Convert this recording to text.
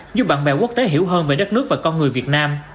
giúp bạn bè quốc tế hiểu hơn về đất nước và con người việt nam